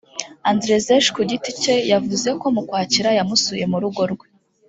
Andrzej ku giti cye yavuze ko mu Ukwakira yamusuye mu rugo rwe